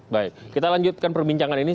baik kita lanjutkan perbincangan ini